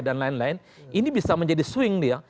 dan lain lain ini bisa menjadi swing dia